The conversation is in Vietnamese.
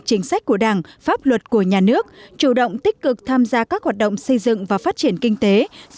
chính sách của đảng pháp luật của nhà nước chủ động tích cực tham gia các hoạt động xây dựng và phát triển kinh tế